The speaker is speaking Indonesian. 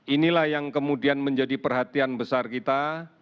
inilah yang kemudian menjadi perhatian besar kita